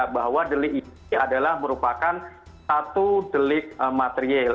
bahwa delik ini adalah merupakan satu delik material